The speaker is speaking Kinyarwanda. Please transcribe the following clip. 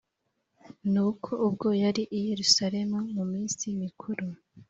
Nuko ubwo yari i Yerusalemu mu minsi mikuru